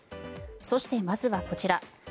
そして、まずはこちら。